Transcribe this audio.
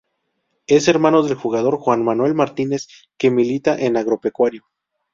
Es hermano del jugador Juan Manuel Martínez, que milita en Agropecuario.